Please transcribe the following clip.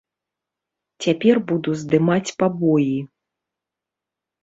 Цяпер буду здымаць пабоі.